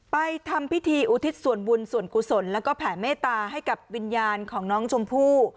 ทำพิธีอุทิศส่วนบุญส่วนกุศลแล้วก็แผ่เมตตาให้กับวิญญาณของน้องชมพู่